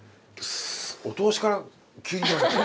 お通しから急に。